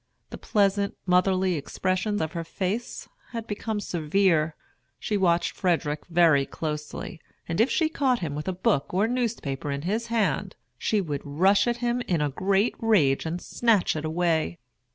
The pleasant, motherly expression of her face had become severe. She watched Frederick very closely, and if she caught him with a book or newspaper in his hand, she would rush at him in a great rage and snatch it away.